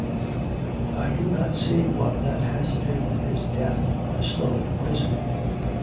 'I do not see what that has to do with his death by slow poisoning.'